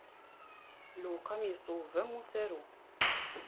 Lewqam iṣweb am usaru.